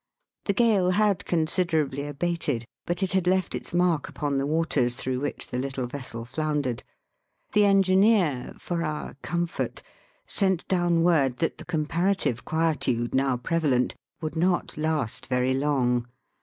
The gale had considerably abated, but it had left its mark upon the waters through which the httle vessel floundered. The engineer, for our comfort, sent down word that the comparative quietude now prevalent would not last very long.